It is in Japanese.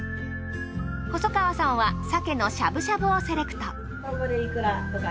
細川さんは鮭のしゃぶしゃぶをセレクト。